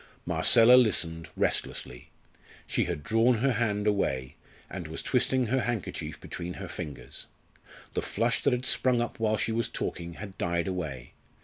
Marcella listened, restlessly. She had drawn her hand away, and was twisting her handkerchief between her fingers. The flush that had sprung up while she was talking had died away.